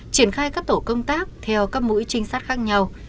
triển khai các tổ công tác theo các mũi trinh sát khác nhau